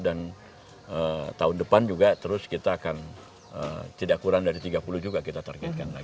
tahun depan juga terus kita akan tidak kurang dari tiga puluh juga kita targetkan lagi